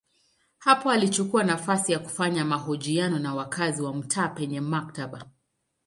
Hapa alichukua nafasi ya kufanya mahojiano na wakazi wa mtaa penye maktaba.